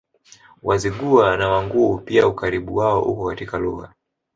Wazigua na Wanguu pia Ukaribu wao uko katika lugha